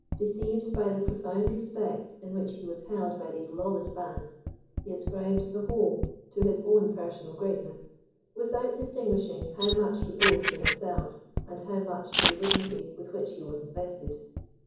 Deceived by the profound respect in which he was held by these lawless bands, he ascribed the whole to his own personal greatness, without distinguishing how much he owed to himself, and how much to the dignity with which he was invested.